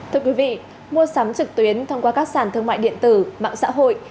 thưa quý vị mua sắm trực tuyến thông qua các sàn thương mại điện tử mạng xã hội